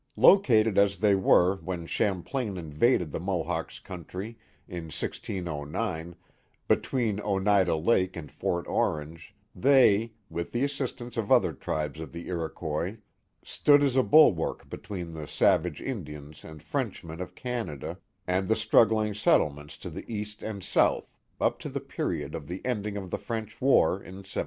Located as they were when Champlain invaded the Mohawks' country, in i5og, between Oneida Lake and Fort Orange, they, with the assistance of other tribes of the Iroquois, stood as a bul wark between the savage Indians and Frenchmen of Canada, and the struggling settlements to the east and south, up to the period of the ending of the French war, in 1763.